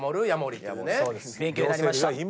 勉強になりました。